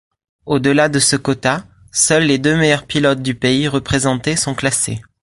Au-delà de ce quota, seuls les deux meilleurs pilotes du pays représenté sont classés.